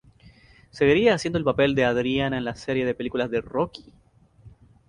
Seguiría haciendo el papel de Adrianna en la serie de películas de "Rocky".